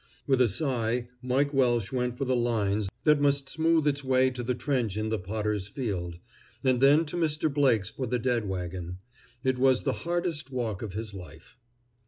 With a sigh Mike Welsh went for the "lines" that must smooth its way to the trench in the Potter's Field, and then to Mr. Blake's for the dead wagon. It was the hardest walk of his life.